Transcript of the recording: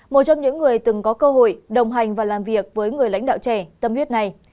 một trong những người từng có cơ hội đồng hành và làm việc với người lãnh đạo trẻ tâm huyết này